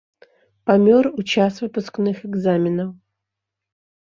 Памёр у час выпускных экзаменаў.